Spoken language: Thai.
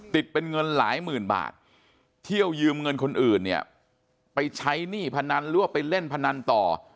ติดเป็นเงินหลายหมื่นบาทเที่ยวยืมเงินคนอื่นเนี่ยไปใช้หนี้พนันหรือว่าไปเล่นพนันต่อ